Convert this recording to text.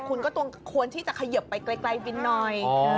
คุณก็ต้องควรที่จะเขยิบไปไกลบินหน่อย